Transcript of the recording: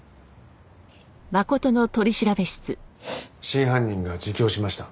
真犯人が自供しました。